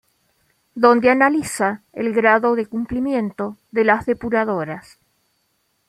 donde analiza el grado de cumplimiento de las depuradoras